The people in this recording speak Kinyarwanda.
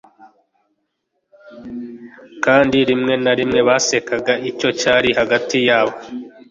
Kandi rimwe na rimwe basekaga icyo cyari hagati yabo